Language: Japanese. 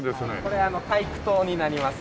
これ体育棟になります。